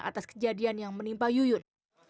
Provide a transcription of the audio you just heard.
atas kejadian yang menimpa yuyun